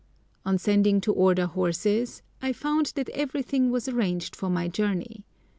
On sending to order horses I found that everything was arranged for my journey.